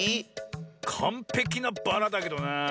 かんぺきなバラだけどなあ。